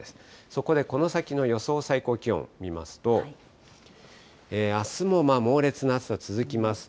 そこでこの先の予想最高気温見ますと、あすも猛烈な暑さ、続きます。